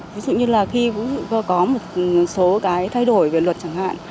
ví dụ như là khi có một số cái thay đổi về luật chẳng hạn